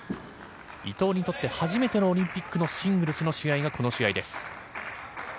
伊藤にとって初めてのオリンピックのシングルスの試合がこの試合です。